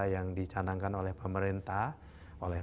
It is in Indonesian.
yang dicanangkan oleh pemerintah oleh